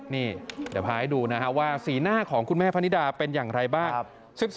นี่เดี๋ยวพาให้ดูนะครับว่าสีหน้าของคุณแม่พนิดาเป็นอย่างไรบ้าง